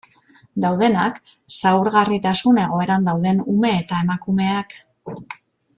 Daudenak, zaurgarritasun egoeran dauden ume eta emakumeak...